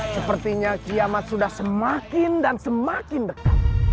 sepertinya kiamat sudah semakin dan semakin dekat